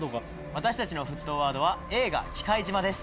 私たちの沸騰ワードは映画『忌怪島』です。